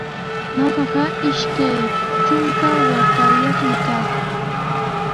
Ñuqaqa ishka trunka watayuqmi kaa.